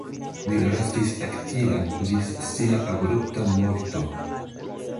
Li restis aktiva ĝis sia abrupta morto.